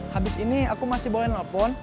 habis ini aku masih boleh nelfon